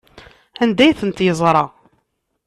Anda ay tent-yeẓra?